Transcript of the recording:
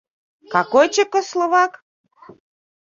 — Какой Чекословак?